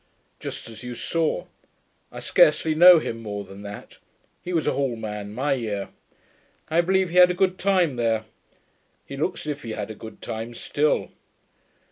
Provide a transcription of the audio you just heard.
'Just as you saw. I scarcely know him more than that. He was a Hall man; my year. I believe he had a good time there. He looks as if he had a good time still.